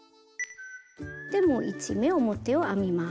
で１目表を編みます。